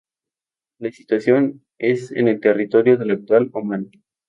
Su situación es en el territorio de la actual Omán.